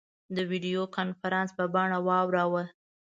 د ویډیو کنفرانس په بڼه واوراوه.